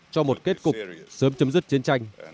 cho một kết cục sớm chấm dứt chiến tranh